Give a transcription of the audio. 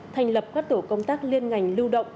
thành lập các tổ công tác liên ngành lưu động